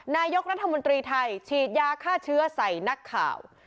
นายกรัฐมนตรีไทยฉีดยาฆ่าเชื้อใส่นักข่าว